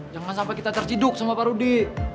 jangan sampai kita terciduk sama pak rudi